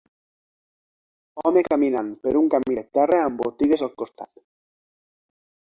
Home caminant per un camí de terra amb botigues al costat